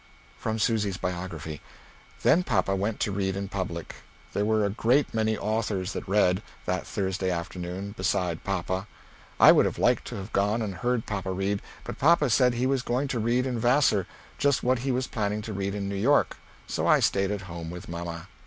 From Susy's Biography. Then papa went to read in public; there were a great many authors that read, that Thursday afternoon, beside papa; I would have liked to have gone and heard papa read, but papa said he was going to read in Vassar just what he was planning to read in New York, so I stayed at home with mamma.